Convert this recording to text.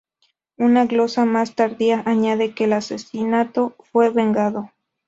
Una glosa más tardía añade que el asesinato fue vengado.